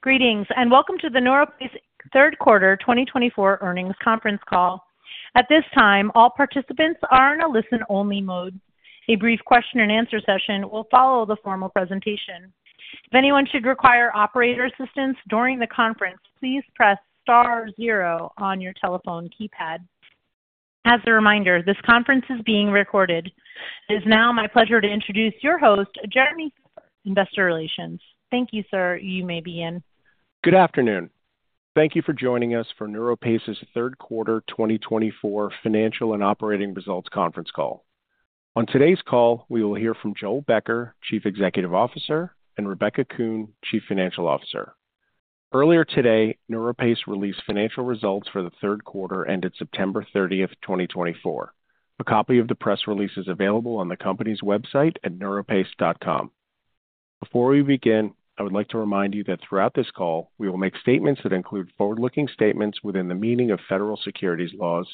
Greetings, and welcome to the NeuroPace Third Quarter 2024 Earnings Conference Call. At this time, all participants are in a listen-only mode. A brief question-and-answer session will follow the formal presentation. If anyone should require operator assistance during the conference, please press star zero on your telephone keypad. As a reminder, this conference is being recorded. It is now my pleasure to introduce your host, Jeremy Feffer, Investor Relations. Thank you, sir. You may begin. Good afternoon. Thank you for joining us for NeuroPace's third quarter 2024 financial and operating results conference call. On today's call, we will hear from Joel Becker, Chief Executive Officer, and Rebecca Kuhn, Chief Financial Officer. Earlier today, NeuroPace released financial results for the third quarter ended September 30th, 2024. A copy of the press release is available on the company's website at neuropace.com. Before we begin, I would like to remind you that throughout this call, we will make statements that include forward-looking statements within the meaning of federal securities laws,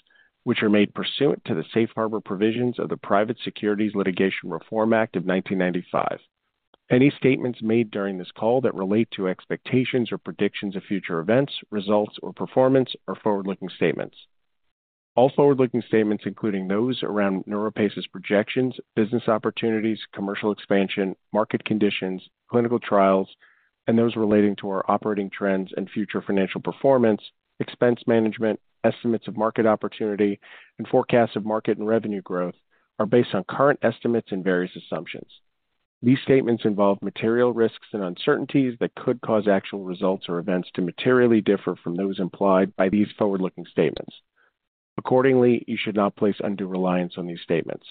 which are made pursuant to the Safe Harbor provisions of the Private Securities Litigation Reform Act of 1995. Any statements made during this call that relate to expectations or predictions of future events, results, or performance are forward-looking statements. All forward-looking statements, including those around NeuroPace's projections, business opportunities, commercial expansion, market conditions, clinical trials, and those relating to our operating trends and future financial performance, expense management, estimates of market opportunity, and forecasts of market and revenue growth, are based on current estimates and various assumptions. These statements involve material risks and uncertainties that could cause actual results or events to materially differ from those implied by these forward-looking statements. Accordingly, you should not place undue reliance on these statements.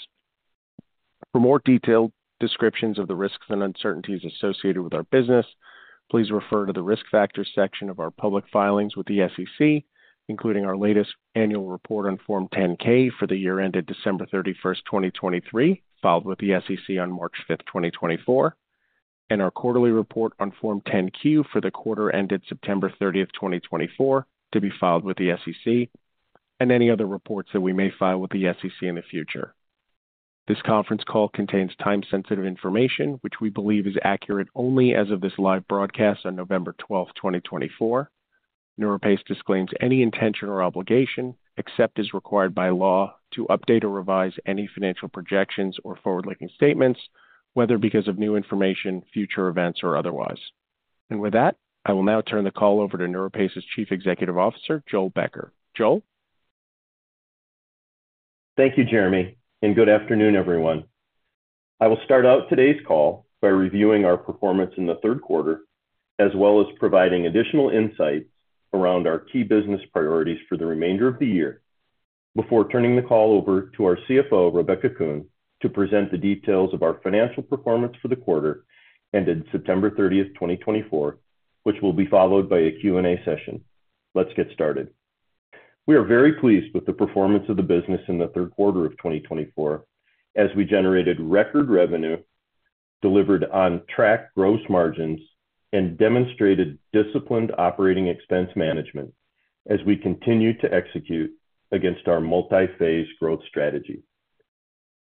For more detailed descriptions of the risks and uncertainties associated with our business, please refer to the risk factors section of our public filings with the SEC, including our latest annual report on Form 10-K for the year ended December 31st, 2023, filed with the SEC on March 5th, 2024, and our quarterly report on Form 10-Q for the quarter ended September 30th, 2024, to be filed with the SEC, and any other reports that we may file with the SEC in the future. This conference call contains time-sensitive information, which we believe is accurate only as of this live broadcast on November 12th, 2024. NeuroPace disclaims any intention or obligation, except as required by law, to update or revise any financial projections or forward-looking statements, whether because of new information, future events, or otherwise. And with that, I will now turn the call over to NeuroPace's Chief Executive Officer, Joel Becker. Joel? Thank you, Jeremy, and good afternoon, everyone. I will start out today's call by reviewing our performance in the third quarter, as well as providing additional insights around our key business priorities for the remainder of the year, before turning the call over to our CFO, Rebecca Kuhn, to present the details of our financial performance for the quarter ended September 30th, 2024, which will be followed by a Q&A session. Let's get started. We are very pleased with the performance of the business in the third quarter of 2024, as we generated record revenue, delivered on track gross margins, and demonstrated disciplined operating expense management as we continue to execute against our multi-phase growth strategy.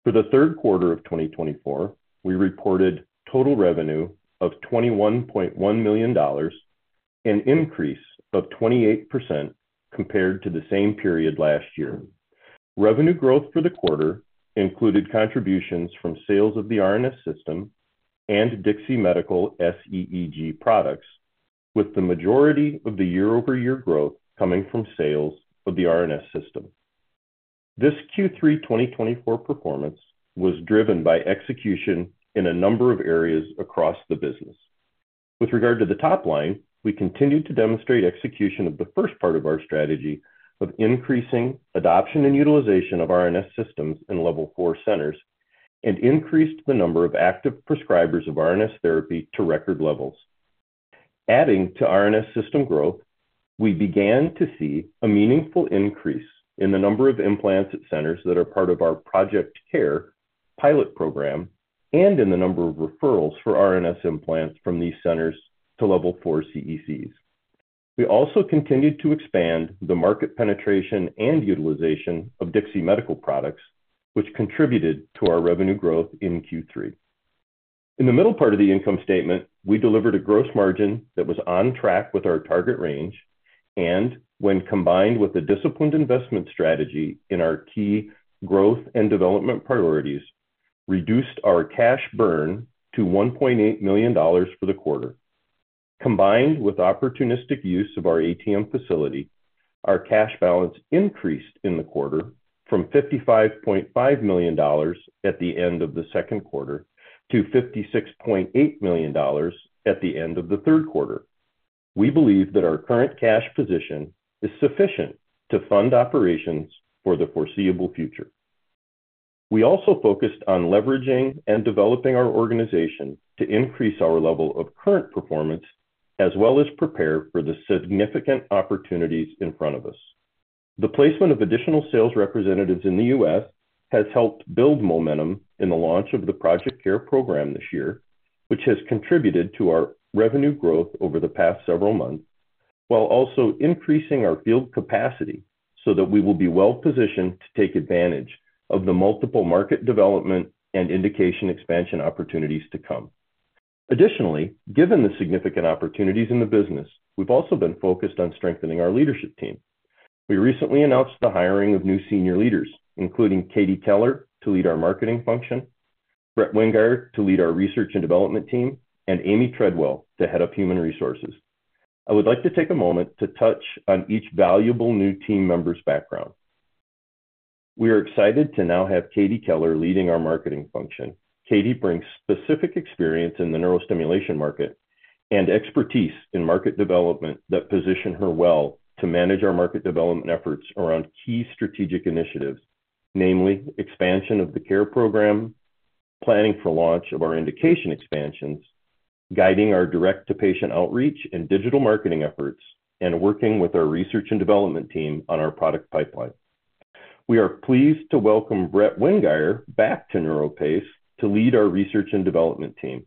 For the third quarter of 2024, we reported total revenue of $21.1 million and an increase of 28% compared to the same period last year. Revenue growth for the quarter included contributions from sales of the RNS System and DIXI Medical SEEG products, with the majority of the year-over-year growth coming from sales of the RNS System. This Q3 2024 performance was driven by execution in a number of areas across the business. With regard to the top line, we continued to demonstrate execution of the first part of our strategy of increasing adoption and utilization of RNS systems in Level 4 centers and increased the number of active prescribers of RNS therapy to record levels. Adding to RNS System growth, we began to see a meaningful increase in the number of implants at centers that are part of our Project CARE pilot program and in the number of referrals for RNS implants from these centers to Level 4 CECs. We also continued to expand the market penetration and utilization of DIXI Medical products, which contributed to our revenue growth in Q3. In the middle part of the income statement, we delivered a gross margin that was on track with our target range and, when combined with a disciplined investment strategy in our key growth and development priorities, reduced our cash burn to $1.8 million for the quarter. Combined with opportunistic use of our ATM facility, our cash balance increased in the quarter from $55.5 million at the end of the second quarter to $56.8 million at the end of the third quarter. We believe that our current cash position is sufficient to fund operations for the foreseeable future. We also focused on leveraging and developing our organization to increase our level of current performance, as well as prepare for the significant opportunities in front of us. The placement of additional sales representatives in the U.S. has helped build momentum in the launch of the Project CARE program this year, which has contributed to our revenue growth over the past several months, while also increasing our field capacity so that we will be well positioned to take advantage of the multiple market development and indication expansion opportunities to come. Additionally, given the significant opportunities in the business, we've also been focused on strengthening our leadership team. We recently announced the hiring of new senior leaders, including Katie Keller to lead our marketing function, Brett Wingeier to lead our research and development team, and Amy Treadwell to head up human resources. I would like to take a moment to touch on each valuable new team member's background. We are excited to now have Katie Keller leading our marketing function. Katie brings specific experience in the neurostimulation market and expertise in market development that position her well to manage our market development efforts around key strategic initiatives, namely expansion of the CARE program, planning for launch of our indication expansions, guiding our direct-to-patient outreach and digital marketing efforts, and working with our research and development team on our product pipeline. We are pleased to welcome Brett Wingeier back to NeuroPace to lead our research and development team.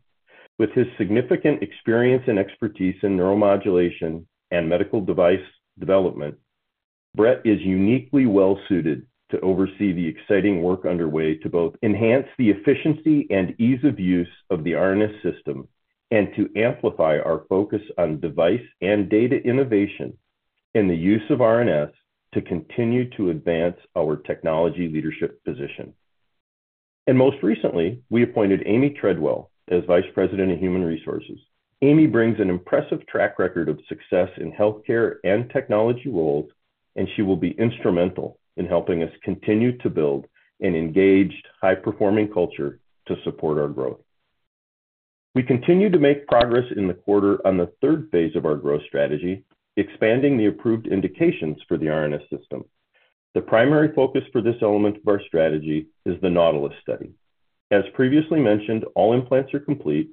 With his significant experience and expertise in neuromodulation and medical device development, Brett is uniquely well-suited to oversee the exciting work underway to both enhance the efficiency and ease of use of the RNS system and to amplify our focus on device and data innovation in the use of RNS to continue to advance our technology leadership position, and most recently, we appointed Amy Treadwell as Vice President of Human Resources. Amy brings an impressive track record of success in healthcare and technology roles, and she will be instrumental in helping us continue to build an engaged, high-performing culture to support our growth. We continue to make progress in the quarter on the third phase of our growth strategy, expanding the approved indications for the RNS System. The primary focus for this element of our strategy is the NAUTILUS study. As previously mentioned, all implants are complete.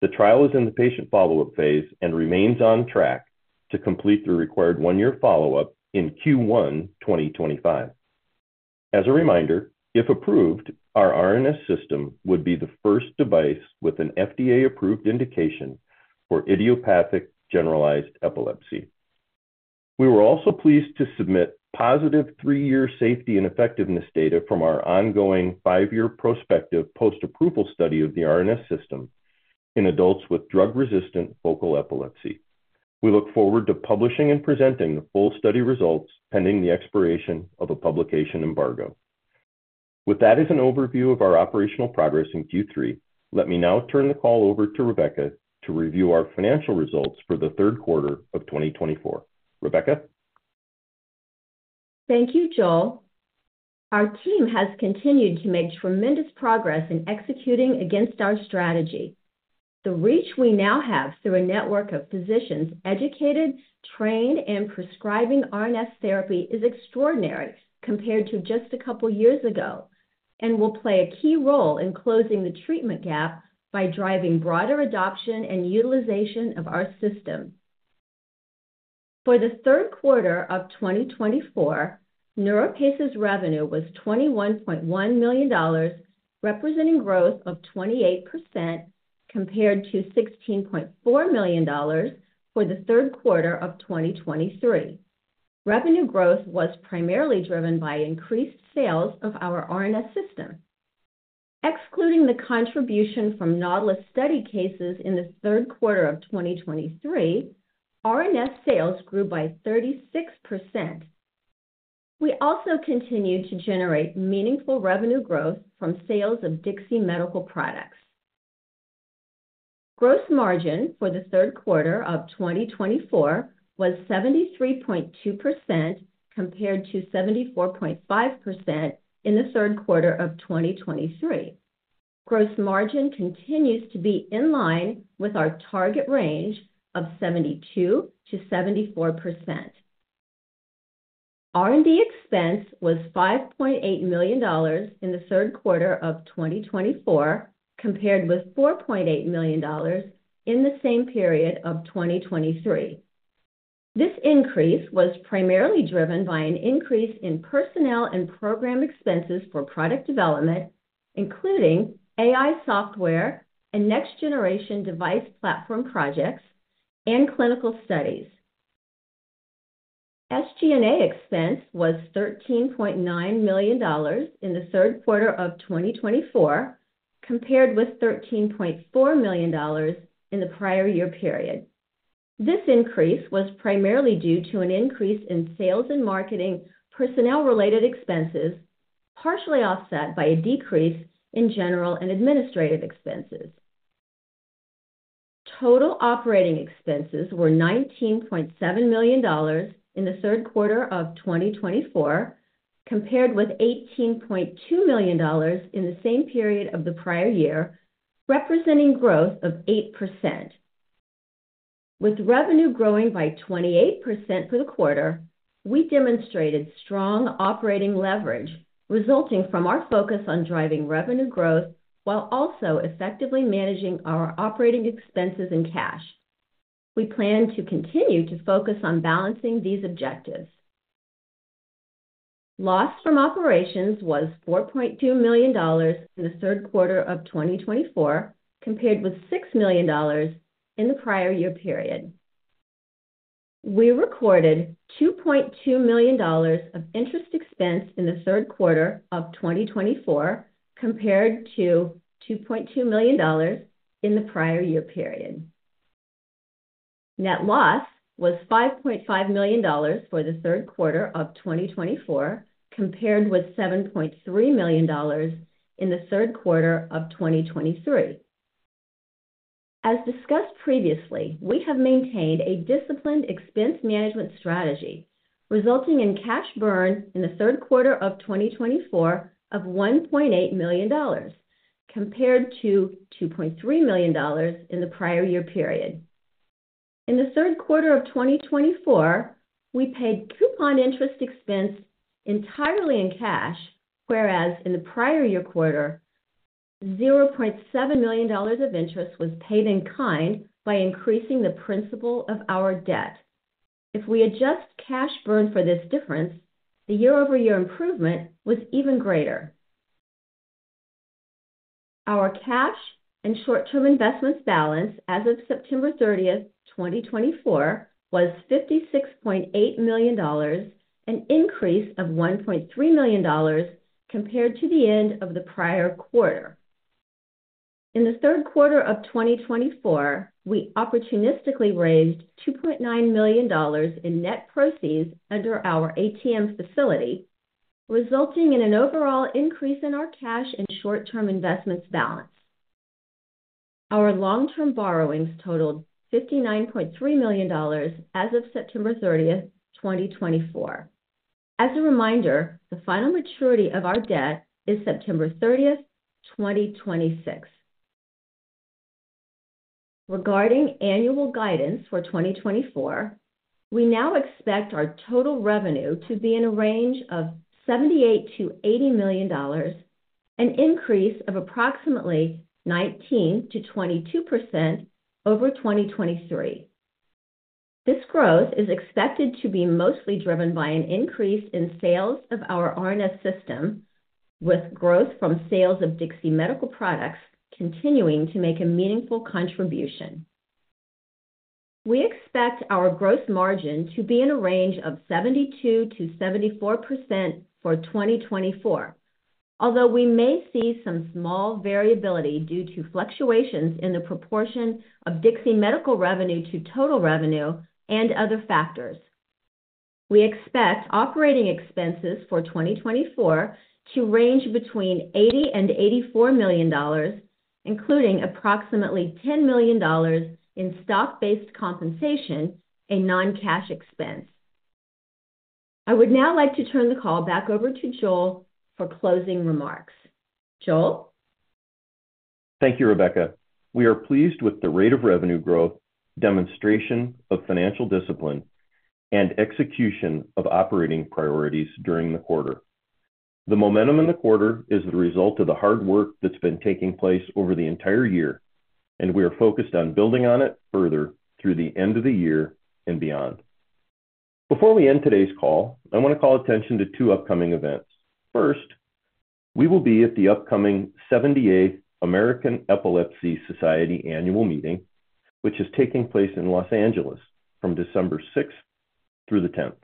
The trial is in the patient follow-up phase and remains on track to complete the required one-year follow-up in Q1 2025. As a reminder, if approved, our RNS System would be the first device with an FDA-approved indication for idiopathic generalized epilepsy. We were also pleased to submit positive three-year safety and effectiveness data from our ongoing five-year prospective post-approval study of the RNS System in adults with drug-resistant focal epilepsy. We look forward to publishing and presenting the full study results pending the expiration of a publication embargo. With that as an overview of our operational progress in Q3, let me now turn the call over to Rebecca to review our financial results for the third quarter of 2024. Rebecca? Thank you, Joel. Our team has continued to make tremendous progress in executing against our strategy. The reach we now have through a network of physicians educated, trained, and prescribing RNS therapy is extraordinary compared to just a couple of years ago and will play a key role in closing the treatment gap by driving broader adoption and utilization of our system. For the third quarter of 2024, NeuroPace's revenue was $21.1 million, representing growth of 28% compared to $16.4 million for the third quarter of 2023. Revenue growth was primarily driven by increased sales of our RNS system. Excluding the contribution from NAUTILUS study cases in the third quarter of 2023, RNS sales grew by 36%. We also continue to generate meaningful revenue growth from sales of DIXI Medical products. Gross margin for the third quarter of 2024 was 73.2% compared to 74.5% in the third quarter of 2023. Gross margin continues to be in line with our target range of 72%-74%. R&D expense was $5.8 million in the third quarter of 2024, compared with $4.8 million in the same period of 2023. This increase was primarily driven by an increase in personnel and program expenses for product development, including AI software and next-generation device platform projects and clinical studies. SG&A expense was $13.9 million in the third quarter of 2024, compared with $13.4 million in the prior year period. This increase was primarily due to an increase in sales and marketing personnel-related expenses, partially offset by a decrease in general and administrative expenses. Total operating expenses were $19.7 million in the third quarter of 2024, compared with $18.2 million in the same period of the prior year, representing growth of 8%. With revenue growing by 28% for the quarter, we demonstrated strong operating leverage resulting from our focus on driving revenue growth while also effectively managing our operating expenses and cash. We plan to continue to focus on balancing these objectives. Loss from operations was $4.2 million in the third quarter of 2024, compared with $6 million in the prior year period. We recorded $2.2 million of interest expense in the third quarter of 2024, compared to $2.2 million in the prior year period. Net loss was $5.5 million for the third quarter of 2024, compared with $7.3 million in the third quarter of 2023. As discussed previously, we have maintained a disciplined expense management strategy, resulting in cash burn in the third quarter of 2024 of $1.8 million, compared to $2.3 million in the prior year period. In the third quarter of 2024, we paid coupon interest expense entirely in cash, whereas in the prior year quarter, $0.7 million of interest was paid in kind by increasing the principal of our debt. If we adjust cash burn for this difference, the year-over-year improvement was even greater. Our cash and short-term investments balance as of September 30th, 2024, was $56.8 million, an increase of $1.3 million compared to the end of the prior quarter. In the third quarter of 2024, we opportunistically raised $2.9 million in net proceeds under our ATM facility, resulting in an overall increase in our cash and short-term investments balance. Our long-term borrowings totaled $59.3 million as of September 30th, 2024. As a reminder, the final maturity of our debt is September 30th, 2026. Regarding annual guidance for 2024, we now expect our total revenue to be in a range of $78-$80 million, an increase of approximately 19%-22% over 2023. This growth is expected to be mostly driven by an increase in sales of our RNS System, with growth from sales of DIXI Medical products continuing to make a meaningful contribution. We expect our gross margin to be in a range of 72%-74% for 2024, although we may see some small variability due to fluctuations in the proportion of DIXI Medical revenue to total revenue and other factors. We expect operating expenses for 2024 to range between $80-$84 million, including approximately $10 million in stock-based compensation, a non-cash expense. I would now like to turn the call back over to Joel for closing remarks. Joel? Thank you, Rebecca. We are pleased with the rate of revenue growth, demonstration of financial discipline, and execution of operating priorities during the quarter. The momentum in the quarter is the result of the hard work that's been taking place over the entire year, and we are focused on building on it further through the end of the year and beyond. Before we end today's call, I want to call attention to two upcoming events. First, we will be at the upcoming 78th American Epilepsy Society annual meeting, which is taking place in Los Angeles from December 6th through the 10th.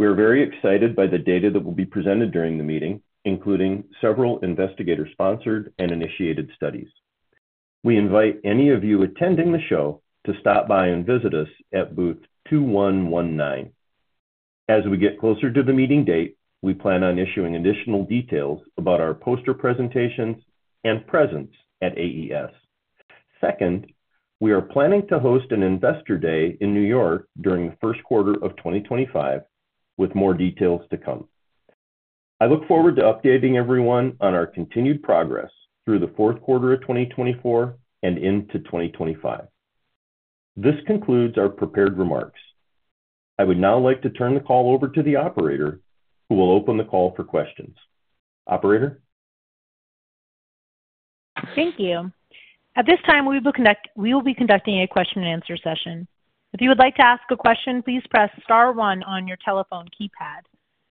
We are very excited by the data that will be presented during the meeting, including several investigator-sponsored and initiated studies. We invite any of you attending the show to stop by and visit us at booth 2119. As we get closer to the meeting date, we plan on issuing additional details about our poster presentations and presence at AES. Second, we are planning to host an investor day in New York during the first quarter of 2025, with more details to come. I look forward to updating everyone on our continued progress through the fourth quarter of 2024 and into 2025. This concludes our prepared remarks. I would now like to turn the call over to the operator, who will open the call for questions. Operator? Thank you. At this time, we will be conducting a question-and-answer session. If you would like to ask a question, please press star one on your telephone keypad.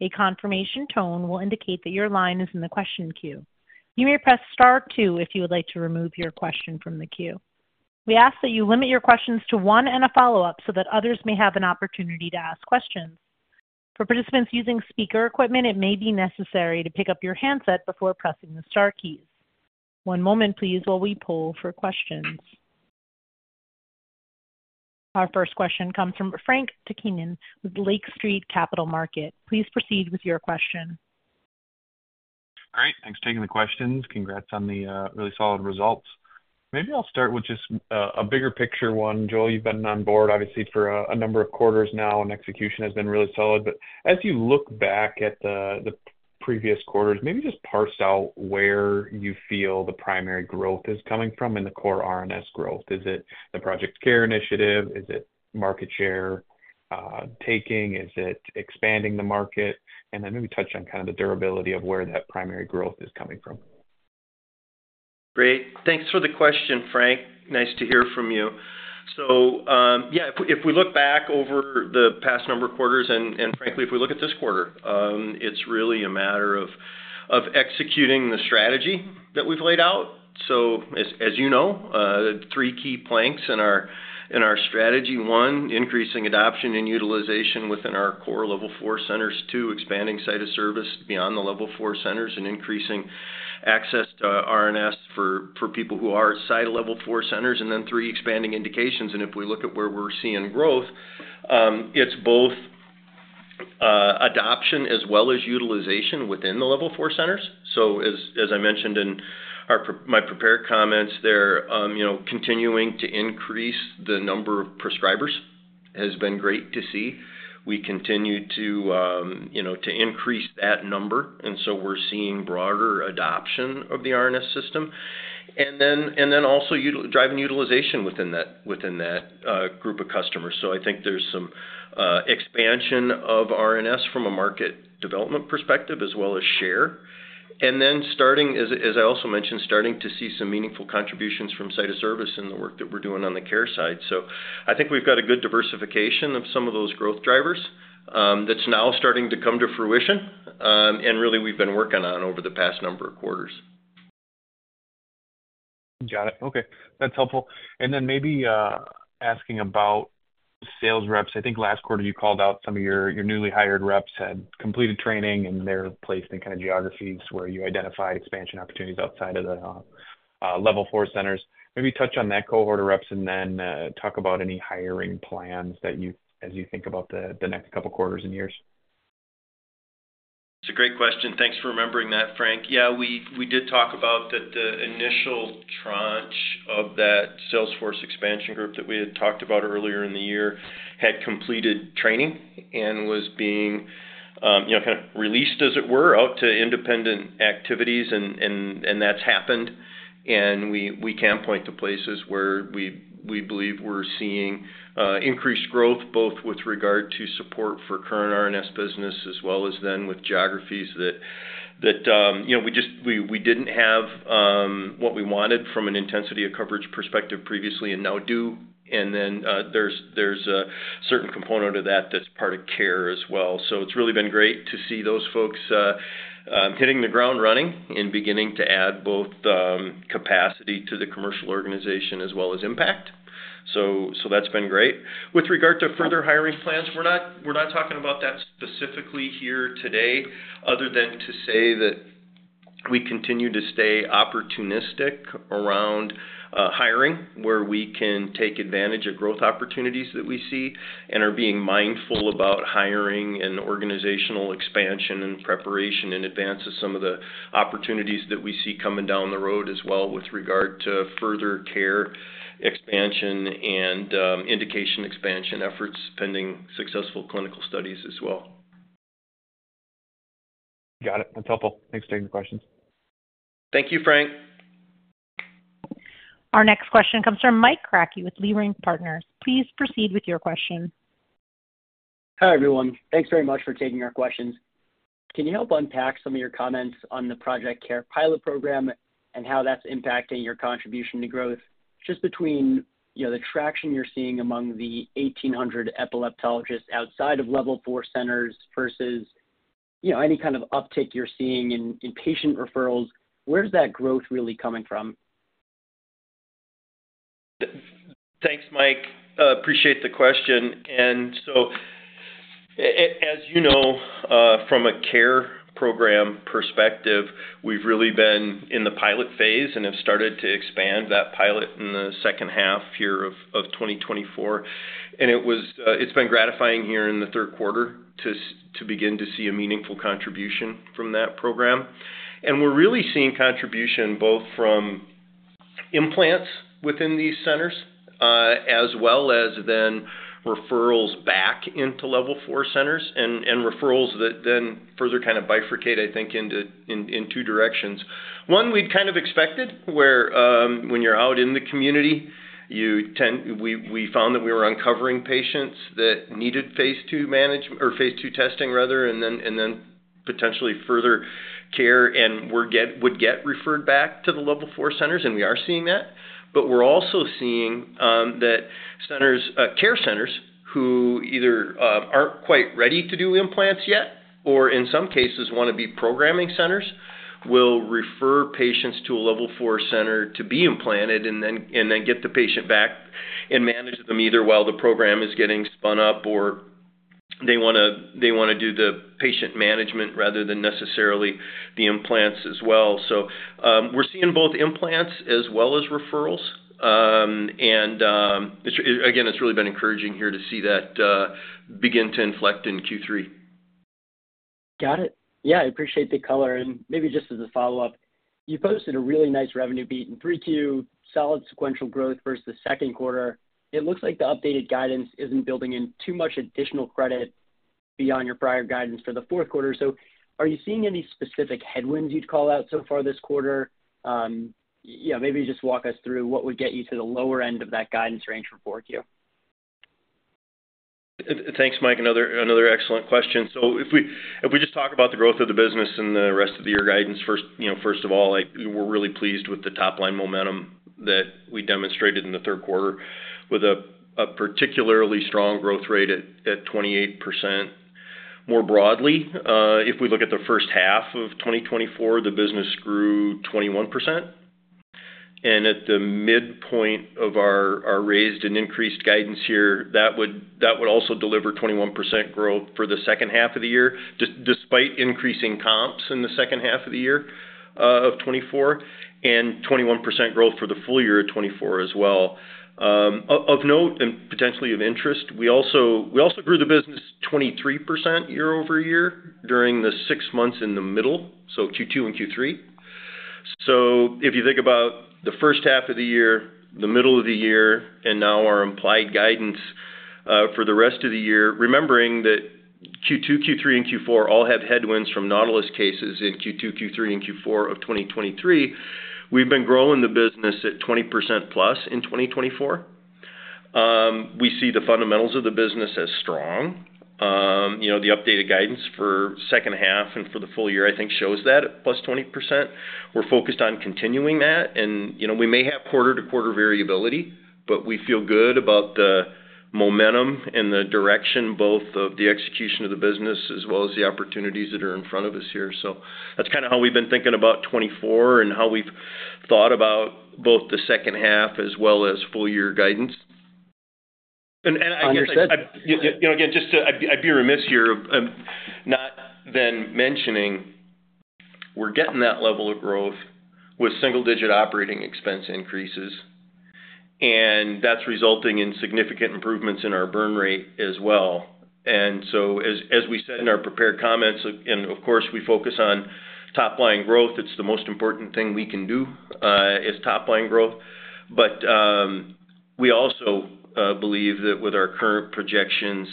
A confirmation tone will indicate that your line is in the question queue. You may press star two if you would like to remove your question from the queue. We ask that you limit your questions to one and a follow-up so that others may have an opportunity to ask questions. For participants using speaker equipment, it may be necessary to pick up your handset before pressing the Star keys. One moment, please, while we pull for questions. Our first question comes from Frank Takkinen with Lake Street Capital Markets. Please proceed with your question. All right. Thanks for taking the questions. Congrats on the really solid results. Maybe I'll start with just a bigger picture one. Joel, you've been on board, obviously, for a number of quarters now, and execution has been really solid. But as you look back at the previous quarters, maybe just parse out where you feel the primary growth is coming from in the core RNS growth. Is it the Project CARE initiative? Is it market share taking? Is it expanding the market? And then maybe touch on kind of the durability of where that primary growth is coming from. Great. Thanks for the question, Frank. Nice to hear from you. So yeah, if we look back over the past number of quarters, and frankly, if we look at this quarter, it's really a matter of executing the strategy that we've laid out. So as you know, three key planks in our strategy. One, increasing adoption and utilization within our core level four centers. Two, expanding site of service beyond the level four centers and increasing access to RNS for people who are outside level four centers. And then three, expanding indications. And if we look at where we're seeing growth, it's both adoption as well as utilization within the level four centers. So as I mentioned in my prepared comments, they're continuing to increase the number of prescribers has been great to see. We continue to increase that number. And so we're seeing broader adoption of the RNS system. And then also driving utilization within that group of customers. So I think there's some expansion of RNS from a market development perspective as well as share. And then starting, as I also mentioned, starting to see some meaningful contributions from site of service in the work that we're doing on the CARE side. So I think we've got a good diversification of some of those growth drivers that's now starting to come to fruition, and really we've been working on over the past number of quarters. Got it. Okay. That's helpful. And then maybe asking about sales reps. I think last quarter you called out some of your newly hired reps had completed training and they're placed in kind of geographies where you identify expansion opportunities outside of the Level 4 centers. Maybe touch on that cohort of reps and then talk about any hiring plans as you think about the next couple of quarters and years. That's a great question. Thanks for remembering that, Frank. Yeah, we did talk about that the initial tranche of that sales force expansion group that we had talked about earlier in the year had completed training and was being kind of released, as it were, out to independent activities. And that's happened. And we can point to places where we believe we're seeing increased growth, both with regard to support for current RNS business as well as then with geographies that we didn't have what we wanted from an intensity of coverage perspective previously and now do. And then there's a certain component of that that's part of CARE as well. So it's really been great to see those folks hitting the ground running and beginning to add both capacity to the commercial organization as well as impact. So that's been great. With regard to further hiring plans, we're not talking about that specifically here today, other than to say that we continue to stay opportunistic around hiring where we can take advantage of growth opportunities that we see, and are being mindful about hiring and organizational expansion and preparation in advance of some of the opportunities that we see coming down the road as well, with regard to further CARE expansion and indication expansion efforts pending successful clinical studies as well. Got it. That's helpful. Thanks for taking the questions. Thank you, Frank. Our next question comes from Mike Kratky with Leerink Partners. Please proceed with your question. Hi everyone. Thanks very much for taking our questions. Can you help unpack some of your comments on the Project CARE pilot program and how that's impacting your contribution to growth? Just between the traction you're seeing among the 1,800 epileptologists outside of Level 4 centers versus any kind of uptick you're seeing in patient referrals, where's that growth really coming from? Thanks, Mike. Appreciate the question, and so as you know, from a CARE program perspective, we've really been in the pilot phase and have started to expand that pilot in the second half here of 2024, and it's been gratifying here in the third quarter to begin to see a meaningful contribution from that program, and we're really seeing contribution both from implants within these centers as well as then referrals back into Level 4 centers and referrals that then further kind of bifurcate, I think, into two directions. One, we'd kind of expected where when you're out in the community, we found that we were uncovering patients that needed phase II management or phase II testing, rather, and then potentially further CARE and would get referred back to the Level 4 centers, and we are seeing that. But we're also seeing that CARE centers who either aren't quite ready to do implants yet or in some cases want to be programming centers will refer patients to a Level 4 center to be implanted and then get the patient back and manage them either while the program is getting spun up or they want to do the patient management rather than necessarily the implants as well. So we're seeing both implants as well as referrals. And again, it's really been encouraging here to see that begin to inflect in Q3. Got it. Yeah, I appreciate the color. And maybe just as a follow-up, you posted a really nice revenue beat in Q3, solid sequential growth versus the second quarter. It looks like the updated guidance isn't building in too much additional credit beyond your prior guidance for the fourth quarter. So are you seeing any specific headwinds you'd call out so far this quarter? Maybe just walk us through what would get you to the lower end of that guidance range for Q4. Thanks, Mike. Another excellent question. So if we just talk about the growth of the business and the rest of the year guidance, first of all, we're really pleased with the top-line momentum that we demonstrated in the third quarter with a particularly strong growth rate at 28%. More broadly, if we look at the first half of 2024, the business grew 21%. And at the midpoint of our raised and increased guidance here, that would also deliver 21% growth for the second half of the year despite increasing comps in the second half of the year of 24 and 21% growth for the full year of 24 as well. Of note, and potentially of interest, we also grew the business 23% year over year during the six months in the middle, so Q2 and Q3. So if you think about the first half of the year, the middle of the year, and now our implied guidance for the rest of the year, remembering that Q2, Q3, and Q4 all have headwinds from NAUTILUS cases in Q2, Q3, and Q4 of 2023, we've been growing the business at 20% plus in 2024. We see the fundamentals of the business as strong. The updated guidance for the second half and for the full year, I think, shows that at plus 20%. We're focused on continuing that. And we may have quarter-to-quarter variability, but we feel good about the momentum and the direction both of the execution of the business as well as the opportunities that are in front of us here. So that's kind of how we've been thinking about Q4 and how we've thought about both the second half as well as full-year guidance. And I guess. Understood. Again, just not to be remiss here in mentioning we're getting that level of growth with single-digit operating expense increases. And that's resulting in significant improvements in our burn rate as well. And so as we said in our prepared comments, and of course, we focus on top-line growth. It's the most important thing we can do is top-line growth. But we also believe that with our current projections,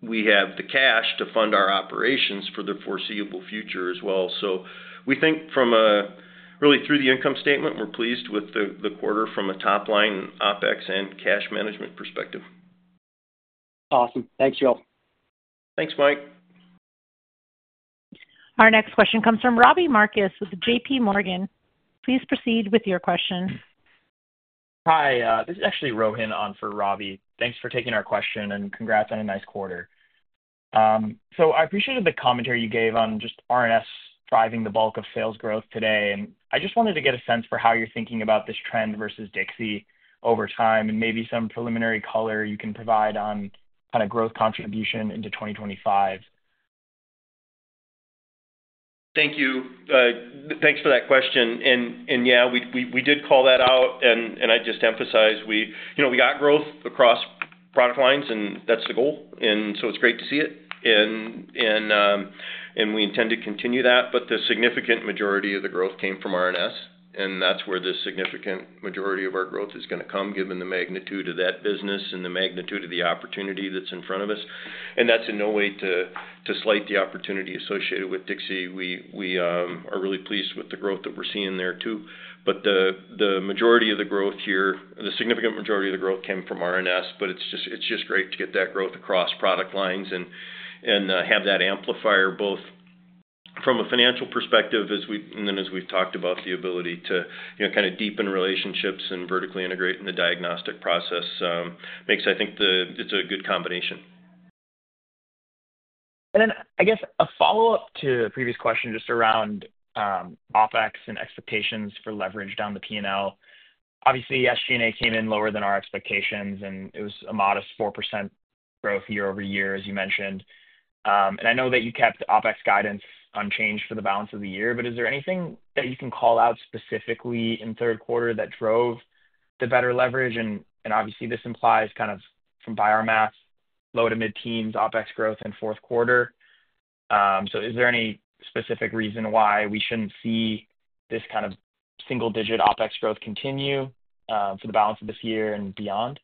we have the cash to fund our operations for the foreseeable future as well. So we think from a really through the income statement, we're pleased with the quarter from a top-line OpEx and cash management perspective. Awesome. Thanks, Joel. Thanks, Mike. Our next question comes from Robbie Marcus with JPMorgan. Please proceed with your question. Hi. This is actually Rohan on for Robbie. Thanks for taking our question and congrats on a nice quarter. So I appreciated the commentary you gave on just RNS driving the bulk of sales growth today. And I just wanted to get a sense for how you're thinking about this trend versus DIXI over time and maybe some preliminary color you can provide on kind of growth contribution into 2025. Thank you. Thanks for that question. And yeah, we did call that out. And I just emphasize we got growth across product lines, and that's the goal. And so it's great to see it. And we intend to continue that. But the significant majority of the growth came from RNS. And that's where the significant majority of our growth is going to come given the magnitude of that business and the magnitude of the opportunity that's in front of us. And that's in no way to slight the opportunity associated with DIXI. We are really pleased with the growth that we're seeing there too. But the majority of the growth here, the significant majority of the growth came from RNS. But it's just great to get that growth across product lines and have that amplifier both from a financial perspective and then as we've talked about the ability to kind of deepen relationships and vertically integrate in the diagnostic process. Makes, I think, it's a good combination. And then I guess a follow-up to the previous question just around OpEx and expectations for leverage down the P&L. Obviously, SG&A came in lower than our expectations, and it was a modest 4% growth year over year, as you mentioned. And I know that you kept OpEx guidance unchanged for the balance of the year. But is there anything that you can call out specifically in third quarter that drove the better leverage? And obviously, this implies kind of from by our math, low to mid-teens OpEx growth in fourth quarter. So is there any specific reason why we shouldn't see this kind of single-digit OpEx growth continue for the balance of this year and beyond?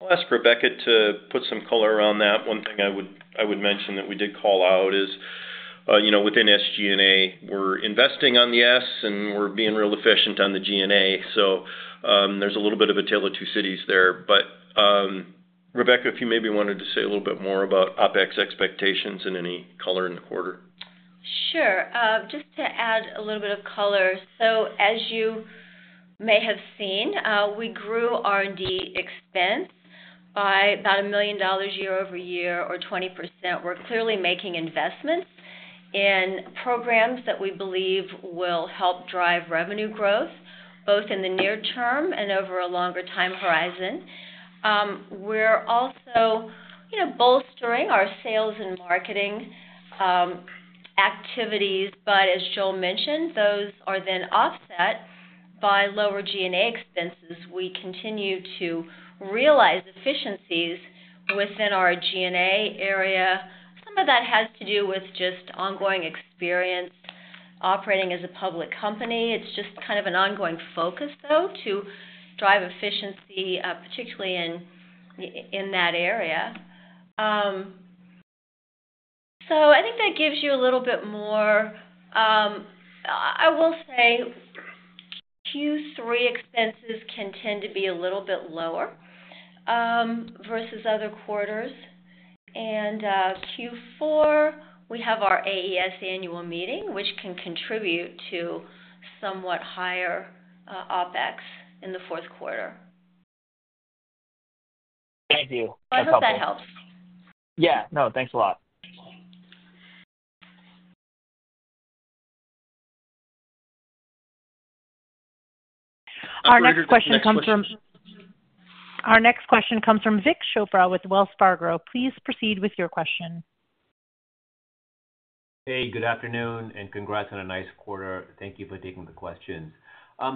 I'll ask Rebecca to put some color around that. One thing I would mention that we did call out is within SG&A, we're investing on the S, and we're being real efficient on the G&A. So there's a little bit of a tale of two cities there. But Rebecca, if you maybe wanted to say a little bit more about OPEX expectations and any color in the quarter. Sure. Just to add a little bit of color. So as you may have seen, we grew R&D expense by about $1 million year over year or 20%. We're clearly making investments in programs that we believe will help drive revenue growth both in the near term and over a longer time horizon. We're also bolstering our sales and marketing activities. But as Joel mentioned, those are then offset by lower G&A expenses. We continue to realize efficiencies within our G&A area. Some of that has to do with just ongoing experience operating as a public company. It's just kind of an ongoing focus, though, to drive efficiency, particularly in that area. So I think that gives you a little bit more. I will say Q3 expenses can tend to be a little bit lower versus other quarters. Q4, we have our AES annual meeting, which can contribute to somewhat higher OpEx in the fourth quarter. Thank you. I hope that helps. Yeah. No, thanks a lot. Our next question comes from Vik Chopra with Wells Fargo. Please proceed with your question. Hey, good afternoon, and congrats on a nice quarter. Thank you for taking the questions.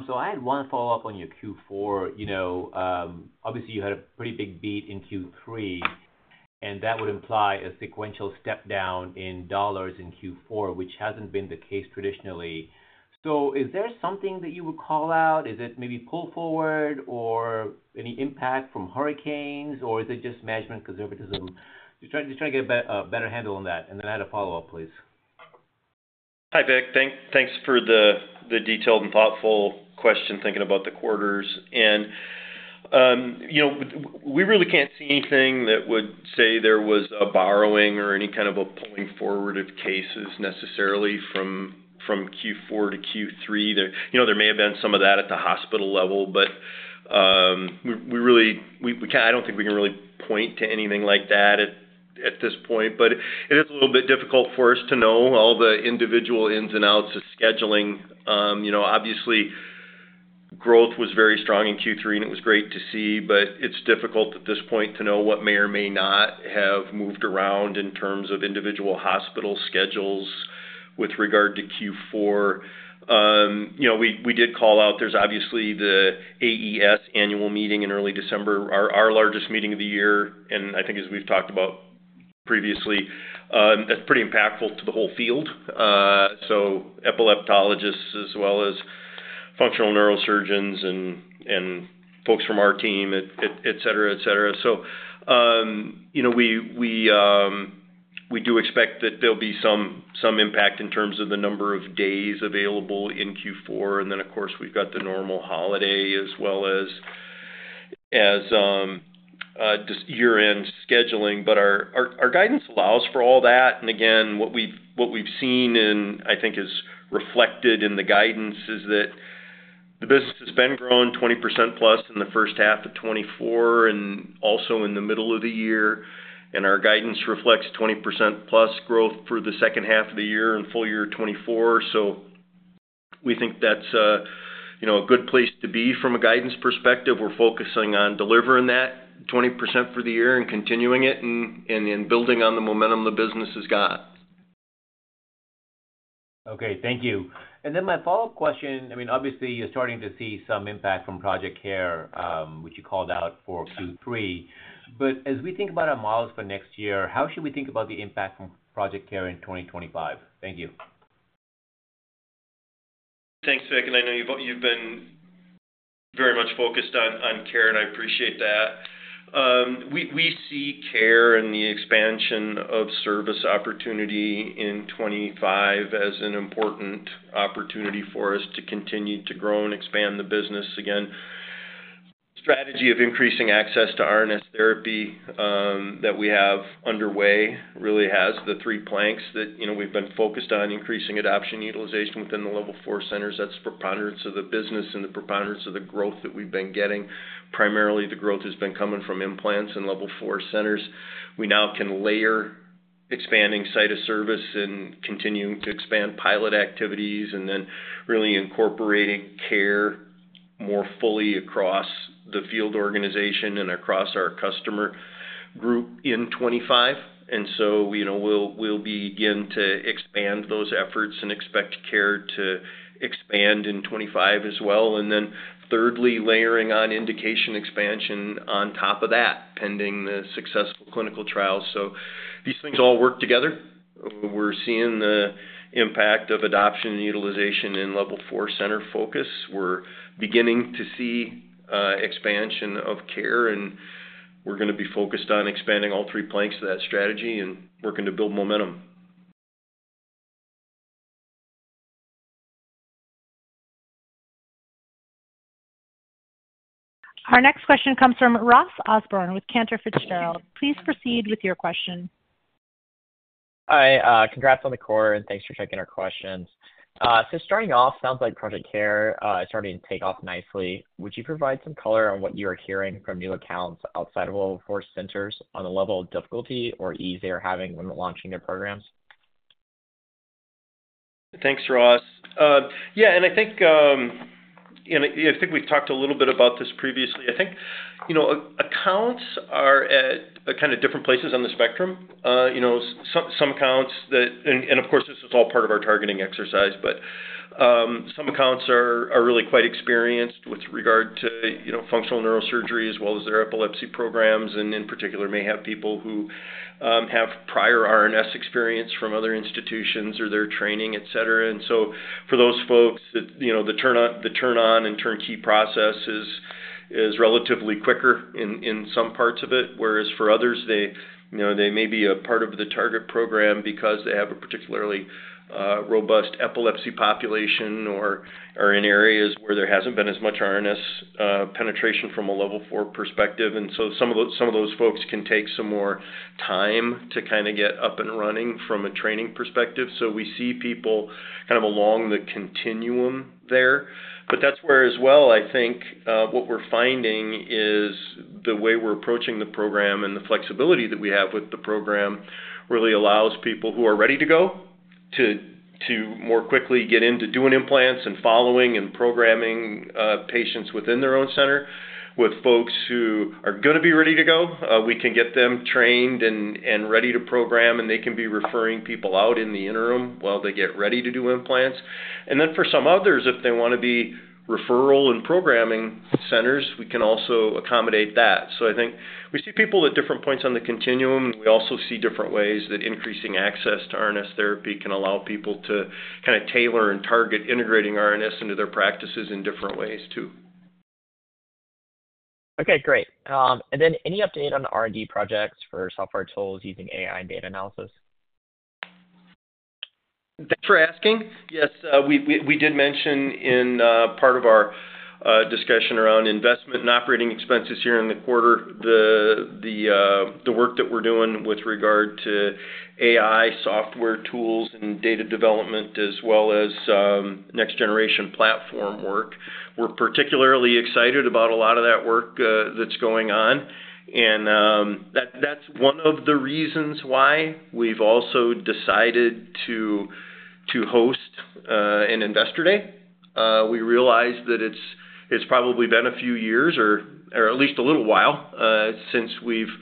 So I had one follow-up on your Q4. Obviously, you had a pretty big beat in Q3, and that would imply a sequential step down in dollars in Q4, which hasn't been the case traditionally. So is there something that you would call out? Is it maybe pull forward or any impact from hurricanes, or is it just management conservatism? Just trying to get a better handle on that. And then I had a follow-up, please. Hi, Vik. Thanks for the detailed and thoughtful question thinking about the quarters. We really can't see anything that would say there was a borrowing or any kind of a pulling forward of cases necessarily from Q4 to Q3. There may have been some of that at the hospital level, but we really don't think we can really point to anything like that at this point. It is a little bit difficult for us to know all the individual ins and outs of scheduling. Obviously, growth was very strong in Q3, and it was great to see. It's difficult at this point to know what may or may not have moved around in terms of individual hospital schedules with regard to Q4. We did call out there's obviously the AES annual meeting in early December, our largest meeting of the year. I think, as we've talked about previously, that's pretty impactful to the whole field. Epileptologists as well as functional neurosurgeons and folks from our team, etc., etc. We do expect that there'll be some impact in terms of the number of days available in Q4. Then, of course, we've got the normal holiday as well as year-end scheduling. Our guidance allows for all that. Again, what we've seen and I think is reflected in the guidance is that the business has been grown 20% plus in the first half of 2024 and also in the middle of the year. Our guidance reflects 20% plus growth for the second half of the year and full year 2024. We think that's a good place to be from a guidance perspective. We're focusing on delivering that 20% for the year and continuing it and building on the momentum the business has got. Okay. Thank you. And then my follow-up question, I mean, obviously, you're starting to see some impact from Project CARE, which you called out for Q3. But as we think about our models for next year, how should we think about the impact from Project CARE in 2025? Thank you. Thanks, Vik. And I know you've been very much focused on CARE, and I appreciate that. We see CARE and the expansion of service opportunity in 2025 as an important opportunity for us to continue to grow and expand the business. Again, the strategy of increasing access to RNS therapy that we have underway really has the three planks that we've been focused on: increasing adoption utilization within the Level 4 centers. That's preponderance of the business and the preponderance of the growth that we've been getting. Primarily, the growth has been coming from implants in Level 4 centers. We now can layer expanding site of service and continuing to expand pilot activities and then really incorporating CARE more fully across the field organization and across our customer group in 2025. And so we'll begin to expand those efforts and expect CARE to expand in 2025 as well. And then thirdly, layering on indication expansion on top of that, pending the successful clinical trials. So these things all work together. We're seeing the impact of adoption and utilization in Level 4 center focus. We're beginning to see expansion of CARE, and we're going to be focused on expanding all three planks of that strategy and working to build momentum. Our next question comes from Ross Osborne with Cantor Fitzgerald. Please proceed with your question. Hi. Congrats on the quarter, and thanks for checking our questions. So starting off, it sounds like Project CARE is starting to take off nicely. Would you provide some color on what you are hearing from new accounts outside of Level 4 centers on the level of difficulty or ease they are having when launching their programs? Thanks, Ross. Yeah. And I think we've talked a little bit about this previously. I think accounts are at kind of different places on the spectrum. Some accounts, and of course, this is all part of our targeting exercise, but some accounts are really quite experienced with regard to functional neurosurgery as well as their epilepsy programs. And in particular, may have people who have prior RNS experience from other institutions or their training, etc. And so for those folks, the turn-on and turn-key process is relatively quicker in some parts of it. Whereas for others, they may be a part of the target program because they have a particularly robust epilepsy population or are in areas where there hasn't been as much RNS penetration from a Level 4 perspective. And so some of those folks can take some more time to kind of get up and running from a training perspective. So we see people kind of along the continuum there. But that's where as well, I think what we're finding is the way we're approaching the program and the flexibility that we have with the program really allows people who are ready to go to more quickly get into doing implants and following and programming patients within their own center. With folks who are going to be ready to go, we can get them trained and ready to program, and they can be referring people out in the interim while they get ready to do implants. And then for some others, if they want to be referral and programming centers, we can also accommodate that. So I think we see people at different points on the continuum, and we also see different ways that increasing access to RNS therapy can allow people to kind of tailor and target integrating RNS into their practices in different ways too. Okay. Great. And then any update on R&D projects for software tools using AI and data analysis? Thanks for asking. Yes. We did mention in part of our discussion around investment and operating expenses here in the quarter, the work that we're doing with regard to AI software tools and data development as well as next-generation platform work. We're particularly excited about a lot of that work that's going on. And that's one of the reasons why we've also decided to host an Investor Day. We realize that it's probably been a few years or at least a little while since we've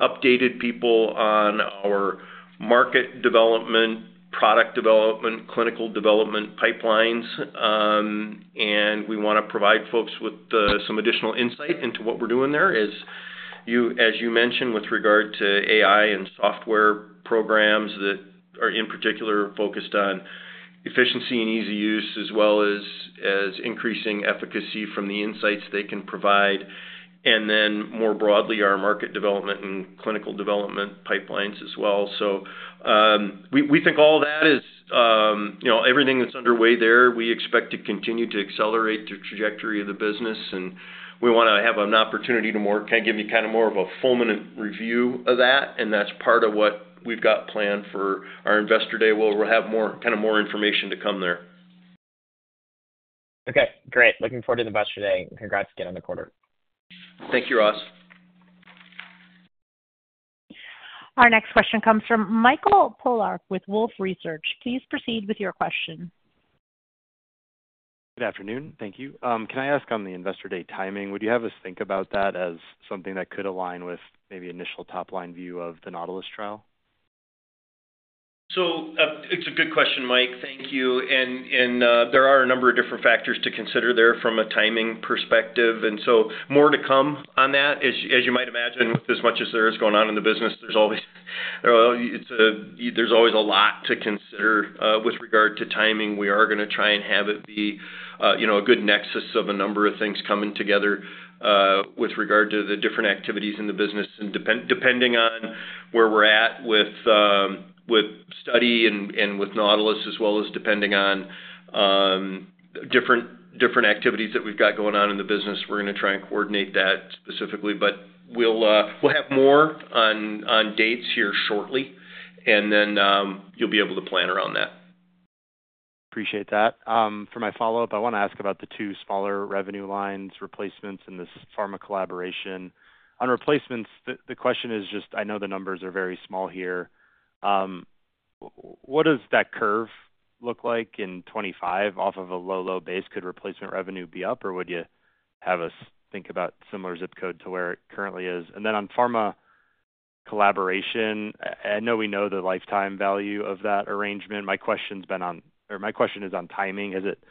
updated people on our market development, product development, clinical development pipelines. And we want to provide folks with some additional insight into what we're doing there. As you mentioned, with regard to AI and software programs that are in particular focused on efficiency and easy use as well as increasing efficacy from the insights they can provide. And then more broadly, our market development and clinical development pipelines as well. So we think all that is everything that's underway there. We expect to continue to accelerate the trajectory of the business. And we want to have an opportunity to kind of give you kind of more of a fulsome review of that. And that's part of what we've got planned for our Investor Day where we'll have kind of more information to come there. Okay. Great. Looking forward to the Investor Day. And congrats again on the quarter. Thank you, Ross. Our next question comes from Mike Polark with Wolfe Research. Please proceed with your question. Good afternoon. Thank you. Can I ask on the Investor Day timing? Would you have us think about that as something that could align with maybe initial top-line view of the NAUTILUS trial? It's a good question, Mike. Thank you. And there are a number of different factors to consider there from a timing perspective. And so more to come on that. As you might imagine, with as much as there is going on in the business, there's always a lot to consider with regard to timing. We are going to try and have it be a good nexus of a number of things coming together with regard to the different activities in the business. And depending on where we're at with study and with NAUTILUS, as well as depending on different activities that we've got going on in the business, we're going to try and coordinate that specifically. But we'll have more on dates here shortly, and then you'll be able to plan around that. Appreciate that. For my follow-up, I want to ask about the two smaller revenue lines, replacements and this pharma collaboration. On replacements, the question is just I know the numbers are very small here. What does that curve look like in 2025? Off of a low, low base, could replacement revenue be up, or would you have us think about similar zip code to where it currently is? And then on pharma collaboration, I know we know the lifetime value of that arrangement. My question's been on or my question is on timing. Is it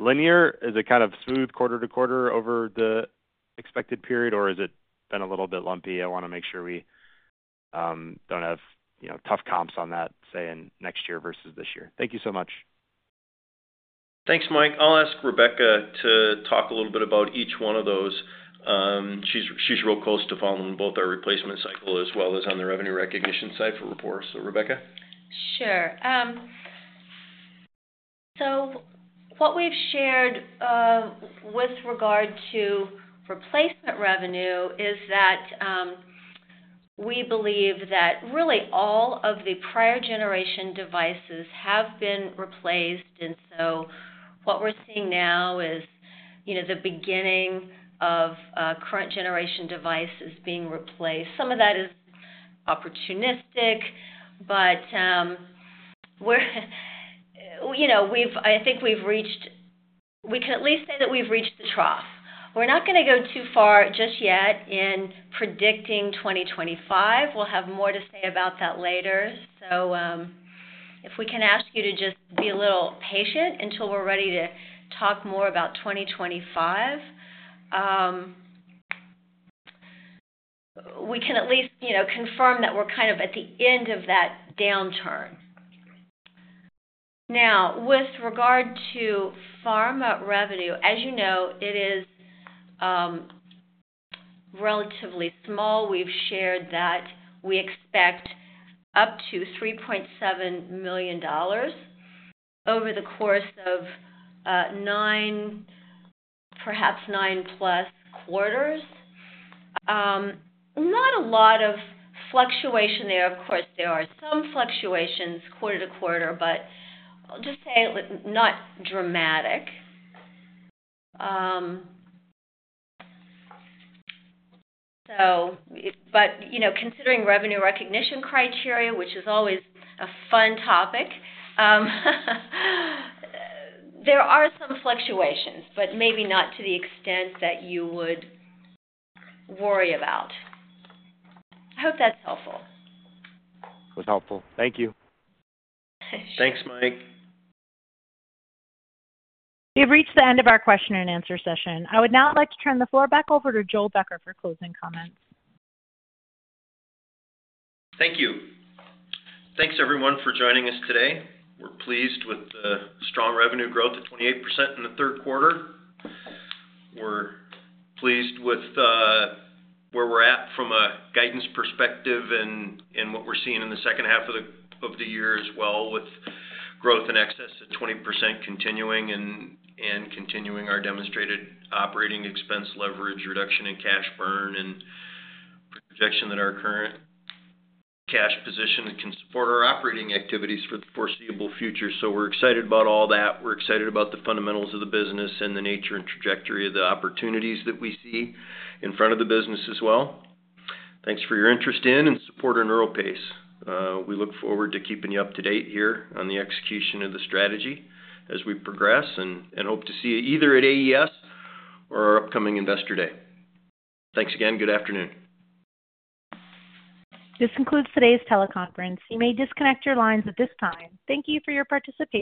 linear? Is it kind of smooth quarter to quarter over the expected period, or has it been a little bit lumpy? I want to make sure we don't have tough comps on that, say, in next year versus this year. Thank you so much. Thanks, Mike. I'll ask Rebecca to talk a little bit about each one of those. She's real close to following both our replacement cycle as well as on the revenue recognition side for reports. So, Rebecca? Sure. So what we've shared with regard to replacement revenue is that we believe that really all of the prior generation devices have been replaced. And so what we're seeing now is the beginning of current generation devices being replaced. Some of that is opportunistic, but I think we can at least say that we've reached the trough. We're not going to go too far just yet in predicting 2025. We'll have more to say about that later. So if we can ask you to just be a little patient until we're ready to talk more about 2025, we can at least confirm that we're kind of at the end of that downturn. Now, with regard to pharma revenue, as you know, it is relatively small. We've shared that we expect up to $3.7 million over the course of perhaps nine-plus quarters. Not a lot of fluctuation there. Of course, there are some fluctuations quarter to quarter, but I'll just say not dramatic. But considering revenue recognition criteria, which is always a fun topic, there are some fluctuations, but maybe not to the extent that you would worry about. I hope that's helpful. It was helpful. Thank you. Thanks, Mike. We have reached the end of our question and answer session. I would now like to turn the floor back over to Joel Becker for closing comments. Thank you. Thanks, everyone, for joining us today. We're pleased with the strong revenue growth of 28% in the third quarter. We're pleased with where we're at from a guidance perspective and what we're seeing in the second half of the year as well with growth in excess of 20% continuing our demonstrated operating expense leverage reduction and cash burn and projection that our current cash position can support our operating activities for the foreseeable future. So we're excited about all that. We're excited about the fundamentals of the business and the nature and trajectory of the opportunities that we see in front of the business as well. Thanks for your interest in and support of NeuroPace. We look forward to keeping you up to date here on the execution of the strategy as we progress and hope to see you either at AES or our upcoming Investor Day. Thanks again. Good afternoon. This concludes today's teleconference. You may disconnect your lines at this time. Thank you for your participation.